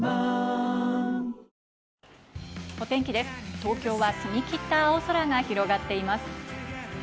東京は澄み切った青空が広がっています。